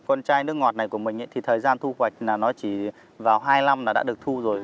con trai nước ngọt này của mình thì thời gian thu hoạch là nó chỉ vào hai năm là đã được thu rồi